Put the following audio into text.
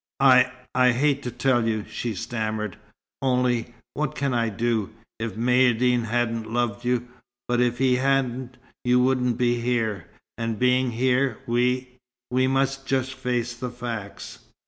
"I I hate to tell you," she stammered. "Only, what can I do? If Maïeddine hadn't loved you but if he hadn't, you wouldn't be here. And being here, we we must just face the facts.